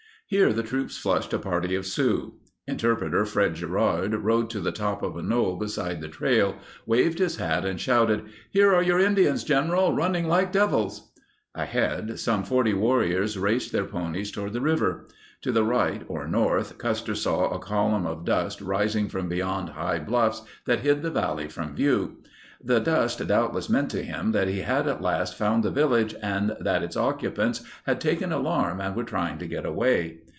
Here the troops flushed a party of Sioux. Inter preter Fred Gerard rode to the top of a knoll beside the trail, waved his hat, and shouted, "Here are your Indians, General, running like devils." Ahead, some 40 warriors raced their ponies toward the river. To the right, or north, Custer saw a column of dust rising from beyond high bluffs that hid the valley from view. The dust doubtless meant to him that he had at last found the village and that its occupants had taken alarm and were trying to get away.